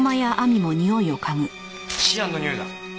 シアンのにおいだ。